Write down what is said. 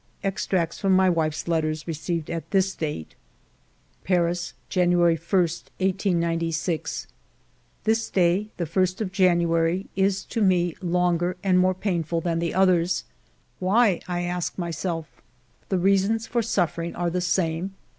Extracts from my wife's letters received at this date :—Paris, January i, 1896. " This day, the ist of January, is to me longer and more painful than the others. Why ? I ask myself; the reasons for suffering are the same.